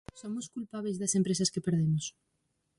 Somos culpábeis das empresas que perdemos?